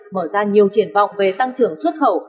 mở ra nhiều triển vọng về tăng trưởng xuất khẩu